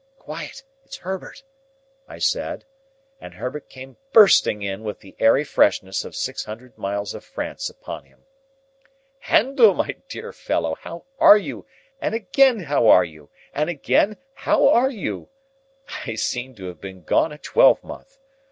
"Quiet! It's Herbert!" I said; and Herbert came bursting in, with the airy freshness of six hundred miles of France upon him. "Handel, my dear fellow, how are you, and again how are you, and again how are you? I seem to have been gone a twelvemonth!